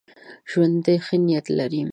ژوندي ښه نیت لري